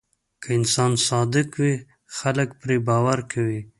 که انسان صادق وي، خلک پرې باور کوي.